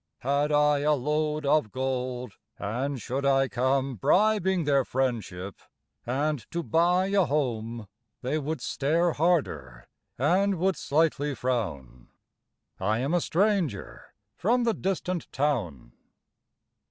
Had I a load of gold, and should I come Bribing their friendship, and to buy a home, They would stare harder and would slightly frown: I am a stranger from the distant town.